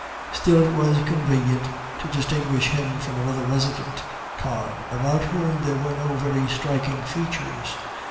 Still it was convenient to distinguish him from another resident Con, about whom there were no very striking features.